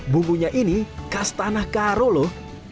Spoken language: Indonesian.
bumbunya ini kastanah karo loh